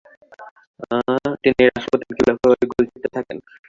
তিনি রাসপুতিনকে লক্ষ্য করে গুলি করতে থাকেন।